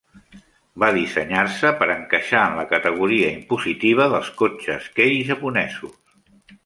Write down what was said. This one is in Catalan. Va dissenyar-se per encaixar en la categoria impositiva dels cotxes kei japonesos.